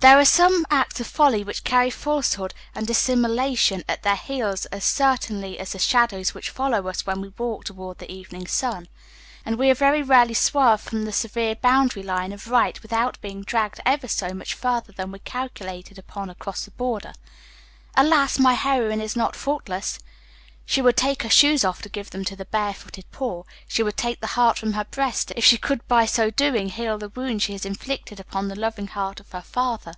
There are some acts of folly which carry falsehood and dissimulation at their heels as certainly as the shadows which follow us when we walk toward the evening sun; and we very rarely swerve from the severe boundary line of right without being dragged ever so much farther than we calculated upon across the border. Alas! my heroine is not faultless. She would take her shoes off to give them to the bare footed poor; she would take the heart from her breast, if she could by so doing heal the wounds she has inflicted upon the loving heart of her father.